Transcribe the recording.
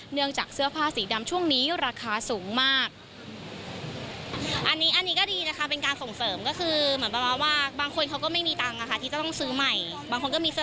เนื่องจากเสื้อผ้าสีดำช่วงนี้ราคาสูงมาก